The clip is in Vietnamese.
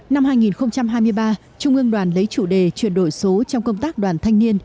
năm hai nghìn hai mươi ba trung ương đoàn lấy chủ đề chuyển đổi số trong công tác đoàn thanh niên